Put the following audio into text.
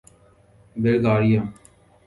Bulgaria